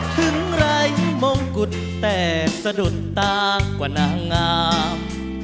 ไร้มงกุฎแต่สะดุดตากว่านางงาม